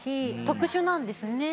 特殊なんですね。